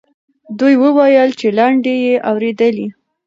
دوی وویل چې لنډۍ یې اورېدلې.